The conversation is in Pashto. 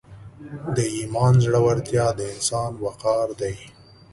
د ایمان زړورتیا د انسان وقار دی.